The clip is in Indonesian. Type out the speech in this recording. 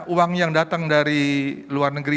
uang yang datang dari luar negeri